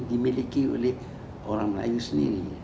dimiliki oleh orang melayu sendiri